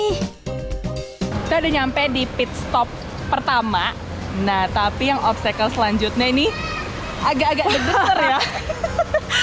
pertama nah tapi yang obstacle selanjutnya ini adalahan jalan selanjutnya ya kita sudah sampai di pitstop pertama nah tapi yang obstacle selanjutnya ini adalah ketinggian terbaik terbaik